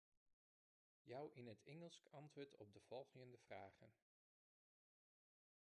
Jou yn it Ingelsk antwurd op de folgjende fragen.